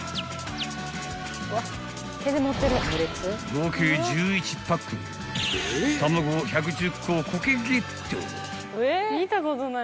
［合計１１パック卵１１０個をコケゲット］